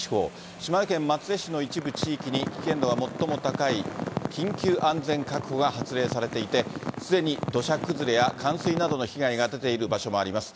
島根県松江市の一部地域に、危険度が最も高い、緊急安全確保が発令されていて、すでに土砂崩れや冠水などの被害が出ている場所もあります。